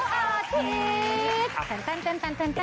ของเราสองคนใน